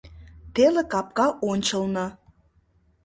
Теле капка ончылно.